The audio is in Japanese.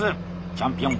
チャンピオン